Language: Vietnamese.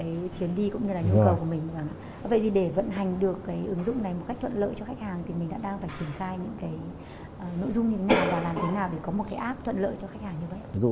vậy thì để vận hành được cái ứng dụng này một cách thuận lợi cho khách hàng thì mình đã đang phải triển khai những cái nội dung như thế nào và làm thế nào để có một cái app thuận lợi cho khách hàng như vậy